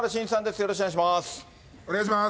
よろしくお願いします。